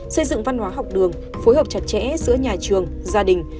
xây dựng văn hóa học đường phối hợp chặt chẽ giữa nhà trường gia đình